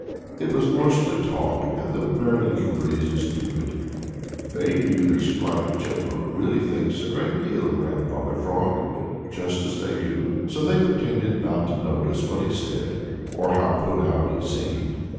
It was mostly talk, and the Merry Little Breezes knew it. They knew that Striped Chipmunk really thinks a great deal of Grandfather Frog, just as they do. So they pretended not to notice what he said or how put out he seemed.